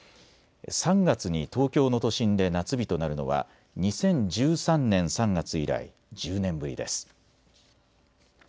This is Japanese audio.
３月に東京の都心で夏日となるのは２０１３年３月以来１０年ぶりです。